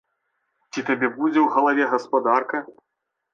Ці табе будзе ў галаве гаспадарка?